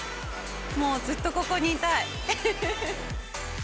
もうずっとここにいたい。